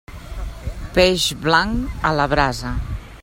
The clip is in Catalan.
Peix blanc, a la brasa.